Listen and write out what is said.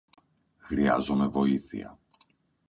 Χρειάζομαι βοήθεια.